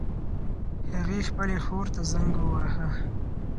هغې خپلې خور ته زنګ وواهه